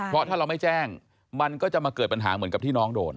เพราะถ้าเราไม่แจ้งมันก็จะมาเกิดปัญหาเหมือนกับที่น้องโดน